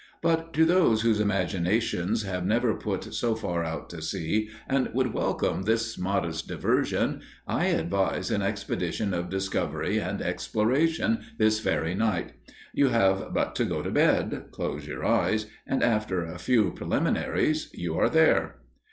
But to those whose imaginations have never put so far out to sea, and would welcome this modest diversion, I advise an expedition of discovery and exploration this very night. You have but to go to bed, close your eyes, and after a few preliminaries you are there!